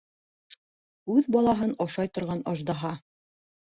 Үҙ балаһын ашай торған аждаһа!